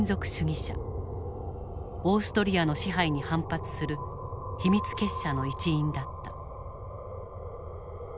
オーストリアの支配に反発する秘密結社の一員だった。